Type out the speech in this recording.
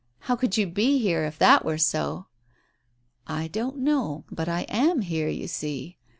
How could you be here if that were so ?" "I don't know, but I am here, you see.